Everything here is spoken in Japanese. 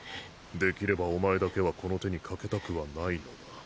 できればお前だけはこの手にかけたくはないのだ。